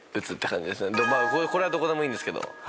まあこれはどこでもいいんですけど。